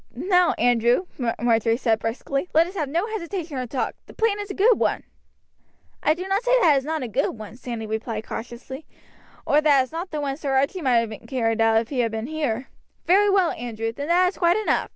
"Now, Andrew," Marjory said briskly, "let us have no hesitation or talk, the plan is a good one." "I do not say that it is not a good one," Sandy replied cautiously, "or that it is not one that Sir Archie might have carried out if he had been here." "Very well, Andrew, then that is quite enough.